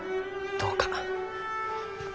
どうか。